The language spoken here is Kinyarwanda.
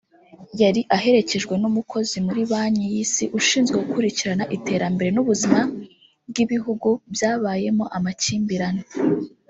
yari aherekejwe n’umukozi muri banki y’Isi ushinzwe gukurikirana iterambere n’ubuzima ry’ibihugu byabayemo amakimbirane